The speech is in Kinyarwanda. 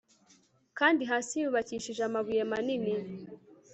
kandi hasi yubakishije amubuye manini